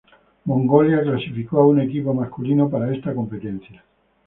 Mongolia clasificó a un equipo masculino para esta competencia.